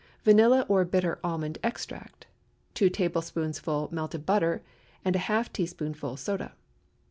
Vanilla or bitter almond extract. 2 tablespoonfuls melted butter, and a half teaspoonful soda.